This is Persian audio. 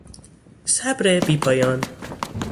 صبر بیپایان